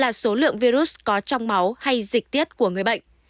tài lượng virus là số lượng virus có trong máu hay dịch tiết của người bệnh